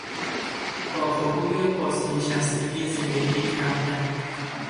با حقوق بازنشستگی زندگی کردن